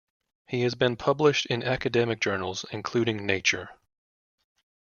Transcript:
He has been published in academic journals including "Nature".